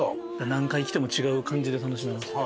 何回来ても違う感じで楽しめますね。